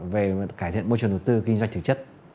về cải thiện môi trường đầu tư kinh doanh thể chất